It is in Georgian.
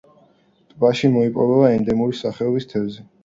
ტბაში მოიპოვება ენდემური სახეობის თევზი.